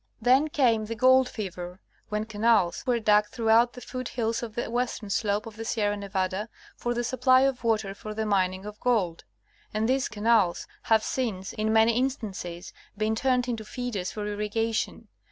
Then came the gold fever, when canals were dug throughout the foot hills of the western slope of the Sierra Nevada, for the supply of water for the mining of gold ; and these canals have since, in many instances, been turned into feeders for ii'rigation.